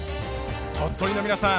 鳥取の皆さん！